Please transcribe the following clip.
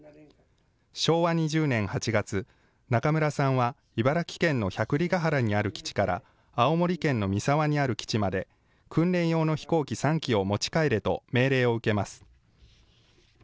昭和２０年８月、中村さんは茨城県の百里原にある基地から、青森県の三沢にある基地まで、訓練用の飛行機３機を持ち帰れと命令を受けます。